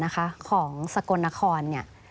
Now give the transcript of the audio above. ของสกลนคล